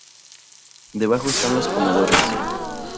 Debajo están los comedores.